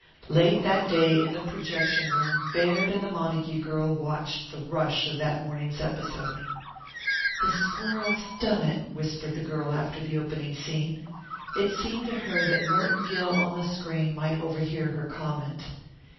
Late that day in the projection room Baird and the Montague girl watched the "rush" of that morning's episode. "The squirrel's done it," whispered the girl after the opening scene. It seemed to her that Merton Gill on the screen might overhear her comment.